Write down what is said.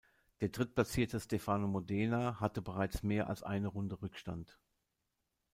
Der Drittplatzierte Stefano Modena hatte bereits mehr als eine Runde Rückstand.